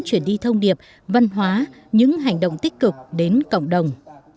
chuyển đi thông điệp văn hóa những hành động tích cực đến cộng đồng